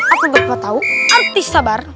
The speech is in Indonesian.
apa bapak tahu arti sabar